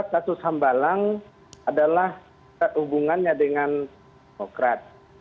kasus hambalang adalah hubungannya dengan demokrat